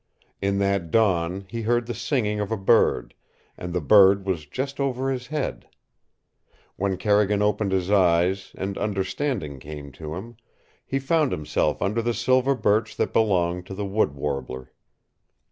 In that dawn he heard the singing of a bird, and the bird was just over his head. When Carrigan opened his eyes, and understanding came to him, he found himself under the silver birch that belonged to the wood warbler.